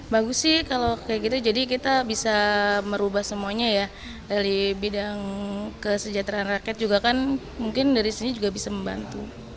bagus sih kalau kayak gitu jadi kita bisa merubah semuanya ya dari bidang kesejahteraan rakyat juga kan mungkin dari sini juga bisa membantu